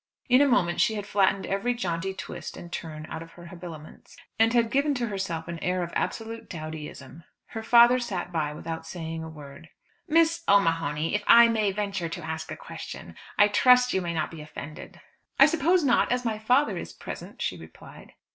In a moment she had flattened every jaunty twist and turn out of her habiliments, and had given to herself an air of absolute dowdyism. Her father sat by without saying a word. "Miss O'Mahony, if I may venture to ask a question, I trust you may not be offended." "I suppose not as my father is present," she replied.